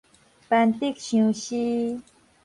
斑竹相思